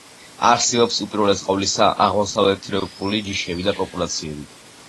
არსებობს, უპირველეს ყოვლისა, აღმოსავლეთევროპული ჯიშები და პოპულაციები.